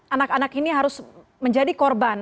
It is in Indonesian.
anak anak ini harus menjadi korban